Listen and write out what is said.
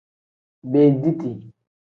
Beediti.